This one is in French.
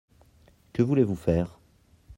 Que voulez-vous faire ?